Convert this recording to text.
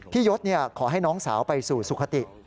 พี่ยศเนี่ยขอให้น้องสาวไปสู่สุขติ